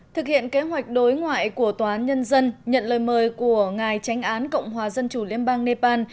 thực hiện kế hoạch đối ngoại của tòa án nhân dân nhận lời mời của ngài tránh án cộng hòa dân chủ liên bang nepal